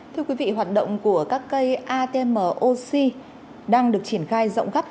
thưa quý vị hoạt động của các cây atm oxy đang được triển khai rộng khắp